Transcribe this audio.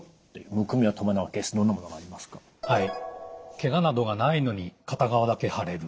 ケガなどがないのに片側だけ腫れる。